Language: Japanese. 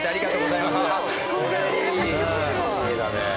いい画だね。